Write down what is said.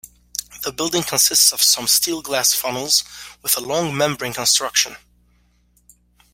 The building consists of some steel-glass funnels with a long membrane construction.